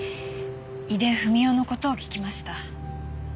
井出文雄の事を聞きました。